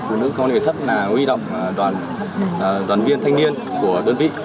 bộ phụ nữ công an huyện thất là huy động đoàn viên thanh niên của đơn vị